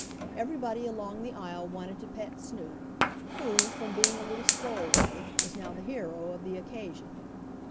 Everybody along the aisle wanted to pet Snoop, who, from being a little stowaway was now the hero of the occasion.